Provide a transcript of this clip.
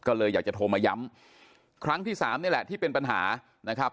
ก็เลยอยากจะโทรมาย้ำครั้งที่สามนี่แหละที่เป็นปัญหานะครับ